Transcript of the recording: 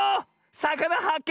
さかなはっけ